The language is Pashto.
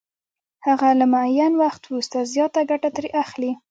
هغه له معین وخت وروسته زیاته ګټه ترې اخلي